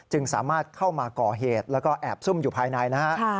สามารถเข้ามาก่อเหตุแล้วก็แอบซุ่มอยู่ภายในนะฮะ